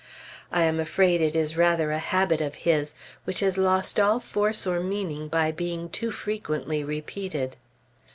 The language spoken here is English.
I am afraid it is rather a habit of his, which has lost all force or meaning by being too frequently repeated.